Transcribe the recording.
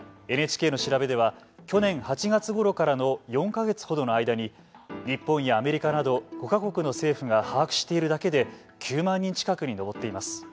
ＮＨＫの調べでは去年８月ごろからの４か月ほどの間に日本やアメリカなど、５か国の政府が把握しているだけで９万人近くに上っています。